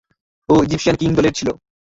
ও Egyptian king দলের ছিল।